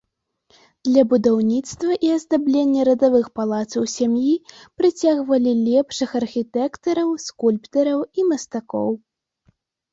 Для будаўніцтва і аздаблення радавых палацаў сям'і прыцягвалі лепшых архітэктараў, скульптараў і мастакоў.